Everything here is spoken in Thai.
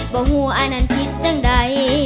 บ่หัวอานันทิศจังได้